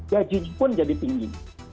gajinya pun tinggi